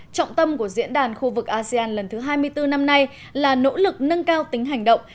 trọng tâm của diễn đàn khu vực asean lần thứ hai mươi bốn năm nay là nỗ lực nâng cao tính hành động